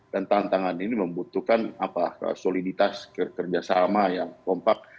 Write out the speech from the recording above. dan tantangan ini membutuhkan soliditas kerjasama yang kompak